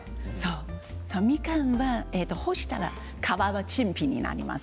みかんは干したら皮は陳皮になります。